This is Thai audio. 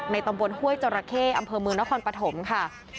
ตำบลห้วยจราเข้อำเภอเมืองนครปฐมค่ะ